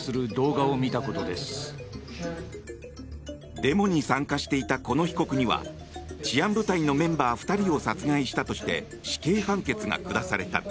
デモに参加していたこの被告には治安部隊のメンバー２人を殺害したとして死刑判決が下された。